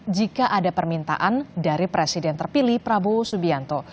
jika ada permintaan dari presiden terpilih prabowo subianto